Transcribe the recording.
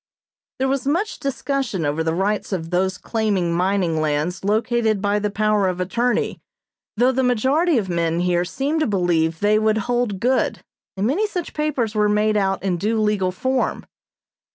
There was much discussion over the rights of those claiming mining lands located by the power of attorney; though the majority of men here seemed to believe they would hold good, and many such papers were made out in due legal form.